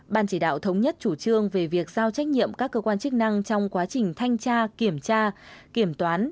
ban chỉ đạo thống nhất chủ trương về việc giao trách nhiệm các cơ quan chức năng trong quá trình thanh tra kiểm tra kiểm toán